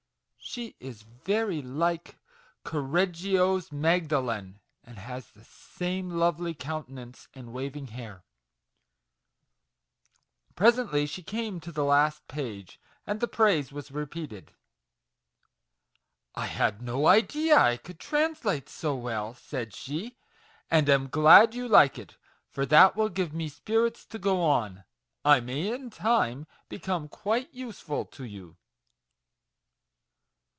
She is very like Correggio's Magdalen, and has the same lovely countenance and waving hair. MAGIC WORDS. 19 Presently she came to the last page, and the praise was repeated. " I had no idea I could translate so well," said she, "and am glad you like it, for that will give me spirits to go on : I may, in time, become quite useful to you."